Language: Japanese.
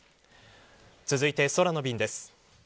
続いて、空の便です。